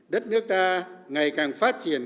đất nước ta ngày càng phát triển